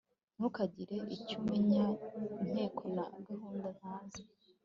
Ntukagire icyo umenya intego na gahunda ntazi